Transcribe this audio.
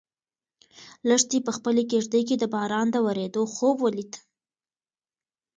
لښتې په خپلې کيږدۍ کې د باران د ورېدو خوب ولید.